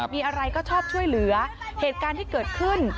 มีอะไรก็ชอบช่วยเหลือเหตุการณ์ที่เกิดขึ้น